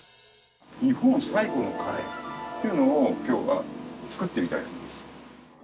日本最古のカレーっていうのを今日は作ってみたいと思います。